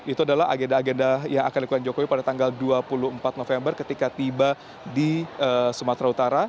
itu adalah agenda agenda yang akan dilakukan jokowi pada tanggal dua puluh empat november ketika tiba di sumatera utara